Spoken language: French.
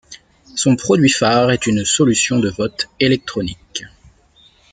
Son produit phare est une solution de vote électronique.